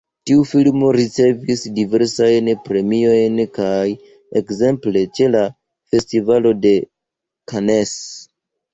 Tiu filmo ricevis diversajn premiojn kiaj ekzemple ĉe la Festivalo de Cannes.